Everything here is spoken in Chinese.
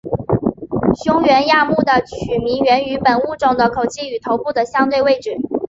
胸喙亚目的取名源于本物种的口器与头部的相对位置。